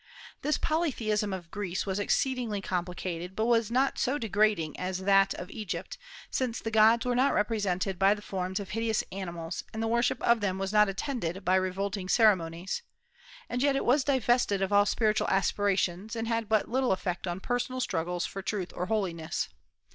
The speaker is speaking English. This polytheism of Greece was exceedingly complicated, but was not so degrading as that of Egypt, since the gods were not represented by the forms of hideous animals, and the worship of them was not attended by revolting ceremonies; and yet it was divested of all spiritual aspirations, and had but little effect on personal struggles for truth or holiness.